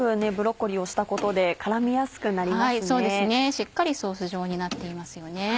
しっかりソース状になっていますよね。